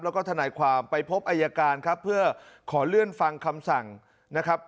แล้วก็ทนายความไปพบอายการครับเพื่อขอเลื่อนฟังคำสั่งนะครับ